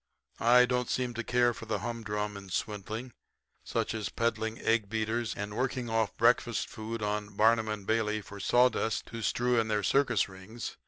I don't seem to care for the humdrum in swindling, such as peddling egg beaters and working off breakfast food on Barnum and Bailey for sawdust to strew in their circus rings.